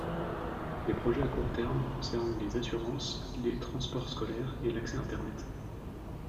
Les projets à court terme concernent les assurances, les transports scolaires et l'accès Internet.